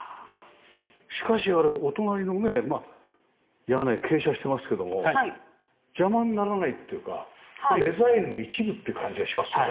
しかしあれお隣のね屋根傾斜してますけども邪魔にならないっていうかデザインの一部って感じがしますよね。